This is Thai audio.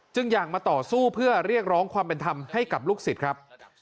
อยากมาต่อสู้เพื่อเรียกร้องความเป็นธรรมให้กับลูกศิษย์ครับ